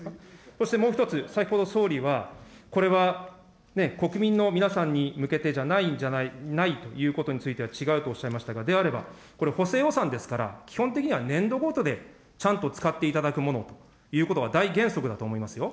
そしてもう一つ、先ほど総理はこれは国民の皆さんに向けてじゃないということについては違うとおっしゃいましたが、であれば、これ、補正予算ですから、基本的には年度ごとでちゃんと使っていただくものということが大原則だと思いますよ。